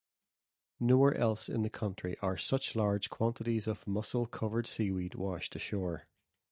Nowhere else in the country are such large quantities of mussel-covered seaweed washed ashore.